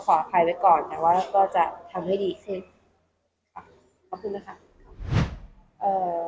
ขออภัยไว้ก่อนแต่ว่าก็จะทำให้ดีขึ้นค่ะขอบคุณด้วยค่ะเอ่อ